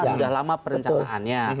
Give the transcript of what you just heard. sudah lama perencanaannya